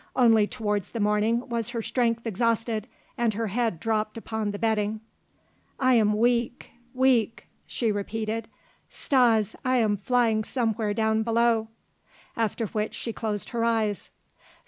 Only towards the morning was her strength exhausted and her head dropped upon the bedding. "I am weak, weak," she repeated. "Stas, I am flying somewhere down below." After which she closed her eyes.